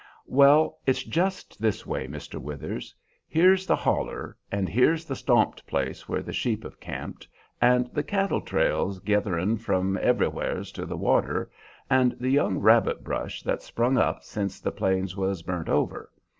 "Well, it's just this way, Mr. Withers: here's the holler, and here's the stomped place where the sheep have camped, and the cattle trails getherin' from everywheres to the water, and the young rabbit brush that's sprung up since the plains was burnt over.